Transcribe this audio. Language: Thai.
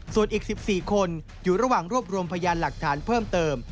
ส่วนอีก๑๔คนอยู่ระหว่างรวบรวมพยานหลักฐานเพิ่มเติม